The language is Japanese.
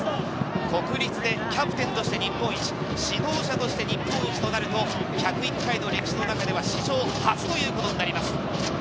国立で、キャプテンとして日本一、指導者として日本一となると１０１回の歴史の中では史上初ということになります。